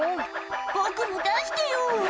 「僕も出してよ」